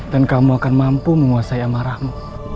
dan kamu akan mampu menguasai amarahmu